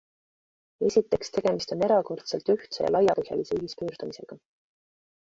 Esiteks tegemist on erakordselt ühtse ja laiapõhjalise ühispöördumisega.